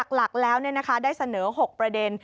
หลักแล้วเนี่ยนะคะได้เสนอ๖ประเด็น